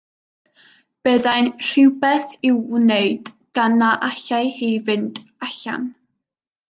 Byddai'n rhywbeth i'w wneud gan na allai hi fynd allan.